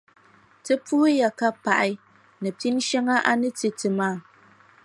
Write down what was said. Ti puhiya ka paɣi ni pinʼ shɛŋa a ni ti ti maa.